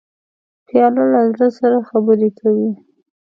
پیاله له زړه سره خبرې کوي.